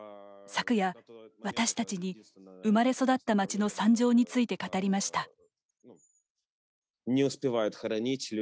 昨夜、私たちに生まれ育った町の惨状について語りました。